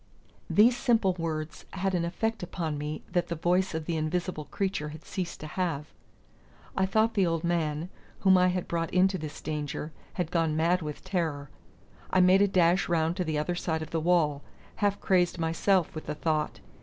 These simple words had an effect upon me that the voice of the invisible creature had ceased to have. I thought the old man, whom I had brought into this danger, had gone mad with terror. I made a dash round to the other side of the wall, half crazed myself with the thought.